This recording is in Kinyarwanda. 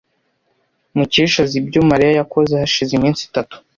Mukesha azi ibyo Mariya yakoze hashize iminsi itatu.